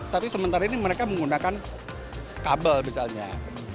tapi sementara ini mereka menggunakan kabel misalnya